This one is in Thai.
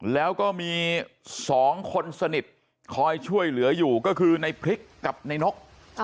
แล้วก็มี๒คนสนิทคอยช่วยเหลืออยู่ก็คือในพริกกับในนก